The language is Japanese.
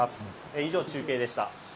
以上、中継でした。